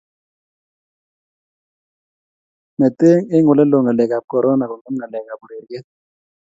mete eng olelo ngalek ab korona kongem ngalek ab ureriet